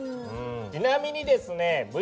ちなみにですね